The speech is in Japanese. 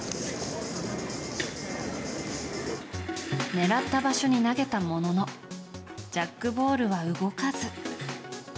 狙った場所に投げたもののジャックボールは動かず。